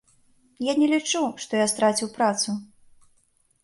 Я не лічу, што я страціў працу.